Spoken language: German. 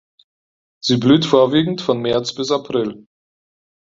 Sie blüht vorwiegend von März bis April.